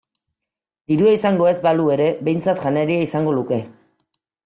Dirua izango ez balu ere behintzat janaria izango luke.